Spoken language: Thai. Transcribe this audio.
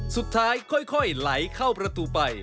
สุดท้ายค่อยไหลเข้าประตูไป